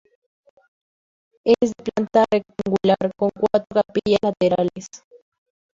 Es de planta rectangular, con cuatro capillas laterales.